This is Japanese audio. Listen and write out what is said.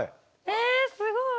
えすごい。